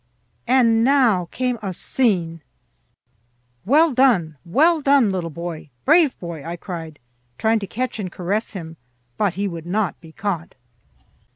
And now came a scene! "Well done, well done, little boy! Brave boy!" I cried, trying to catch and caress him; but he would not be caught.